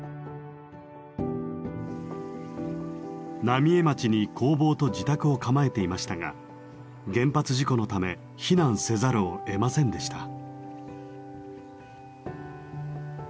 浪江町に工房と自宅を構えていましたが原発事故のため避難せざるをえませんでした。